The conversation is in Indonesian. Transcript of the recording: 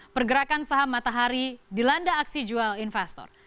pergerakan saham matahari dilanda aksi jual investor